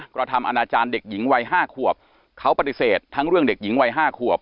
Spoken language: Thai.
กระทำอนาจารย์เด็กหญิงวัย๕ขวบเขาปฏิเสธทั้งเรื่องเด็กหญิงวัย๕ขวบ